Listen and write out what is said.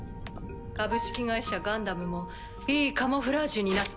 「株式会社ガンダム」もいいカモフラージュになっています。